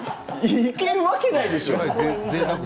行けるわけないでしょ。